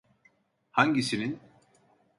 Hangisinin?